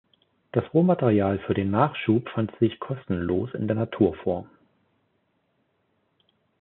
Das Rohmaterial für den Nachschub fand sich kostenlos in der Natur vor.